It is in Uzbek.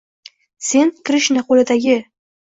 Sen — Krishna qo’lidagi